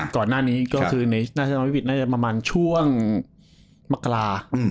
ก่อนหน้านี้ก็คือในช่วงมากรา